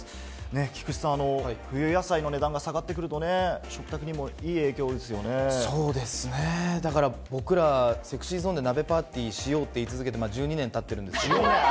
菊池さん、冬野菜の値段が下がってくるとね、そうですね、だから僕らＳｅｘｙＺｏｎｅで鍋パーティーしようって言い続けて１２年たってるんですけれども。